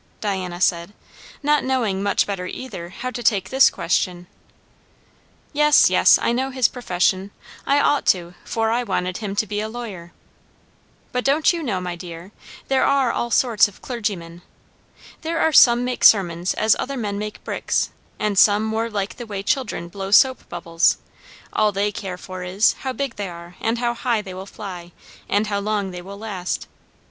Diana said, not knowing much better either how to take this question. "Yes, yes. I know his profession; I ought to, for I wanted him to be a lawyer. But don't you know, my dear, there are all sorts of clergymen? There are some make sermons as other men make bricks; and some more like the way children blow soap bubbles; all they care for is, how big they are, and how high they will fly, and how long they will last.